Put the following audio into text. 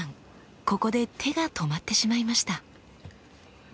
ここで手が止まってしまいました。